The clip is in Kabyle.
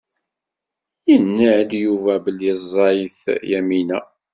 Yenna-d Yuba belli ẓẓayet Yamina.